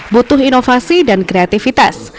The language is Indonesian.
butuh inovasi dan kreativitas